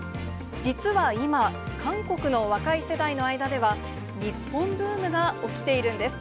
実は今、韓国の若い世代の間では、日本ブームが起きているんです。